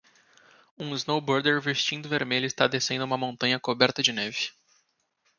um snowboarder vestindo vermelho está descendo uma montanha coberta de neve.